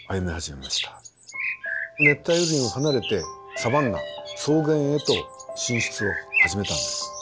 熱帯雨林を離れてサバンナ草原へと進出を始めたんです。